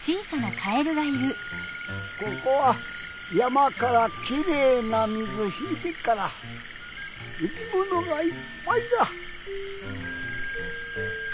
ここは山からきれいな水引いてっから生きものがいっぱいだ。